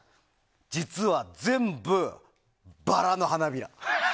実は、全部バラの花びら。